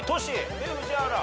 で宇治原。